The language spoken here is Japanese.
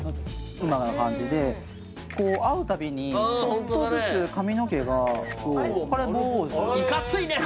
今の感じで会うたびにちょっとずつ髪の毛があホントだねあれ？